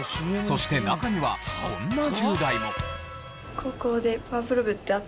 そして中にはこんな１０代も。